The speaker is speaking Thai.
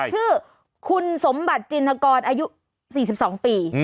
ชื่อคุณสมบัติจินทกรอายุ๔๒ปี